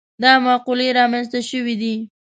دا مقولې رامنځته شوي دي.